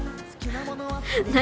何？